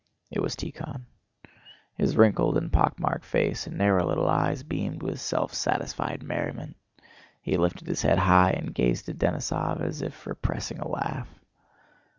It was Tíkhon. His wrinkled and pockmarked face and narrow little eyes beamed with self satisfied merriment. He lifted his head high and gazed at Denísov as if repressing a laugh.